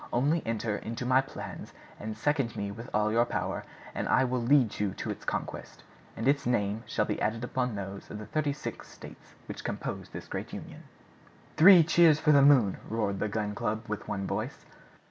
Only enter into my plans, and second me with all your power, and I will lead you to its conquest, and its name shall be added to those of the thirty six states which compose this Great Union." "Three cheers for the Moon!" roared the Gun Club, with one voice.